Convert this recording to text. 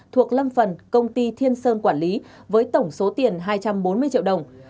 thuộc lâm phần công ty thiên sơn quản lý với tổng số tiền hai trăm bốn mươi triệu đồng